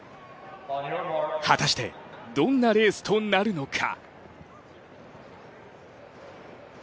果たして、どんなレースとなるのか。